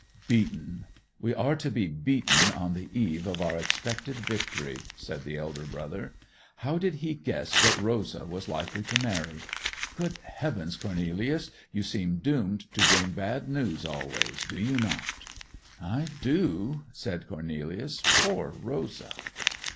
'Beaten! We are to be beaten on the eve of our expected victory!' said the elder brother. 'How did he guess that Rosa was likely to marry? Good Heaven Cornelius, you seem doomed to bring bad news always, do you not!' 'I do,' said Cornelius. 'Poor Rosa!